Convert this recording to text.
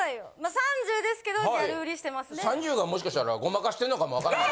３０がもしかしたらごまかしてるのかもわからない。